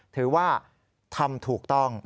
ถือว่าทำถูกต้อง